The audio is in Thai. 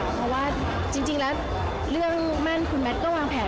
เพราะว่าจริงแล้วเรื่องแม่นคุณแมทก็วางแผน